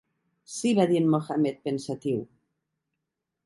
"Sí", va dir en Mohammed pensatiu.